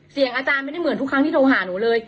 เสียงอาจารย์ไม่ได้เหมือนทุกครั้งที่โทรหาหนูเลย